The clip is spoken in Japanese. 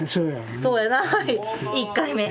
そうやなはい１回目。